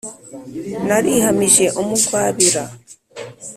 narihamije umugwabira